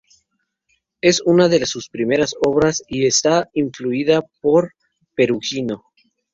Es una de sus primeras obras, y está influida por Perugino.